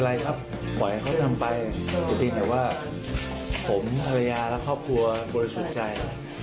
หวังให้เขาทำไปแต่เดี๋ยวว่าผมธรรยาและครอบครัวกลัวจะสุดใจ